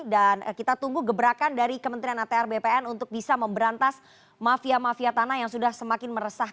dan kita tunggu gebrakan dari kementerian atr bpn untuk bisa memberantas mafia mafia tanah yang sudah semakin meresahkan